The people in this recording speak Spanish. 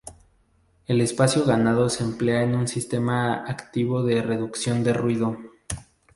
El espacio ganado se emplea en un sistema activo de reducción de ruido.